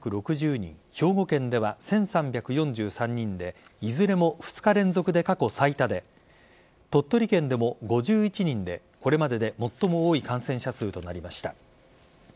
兵庫県では１３４３人でいずれも２日連続で過去最多で鳥取県でも５１人でこれまでで最も多い感染者数となりました。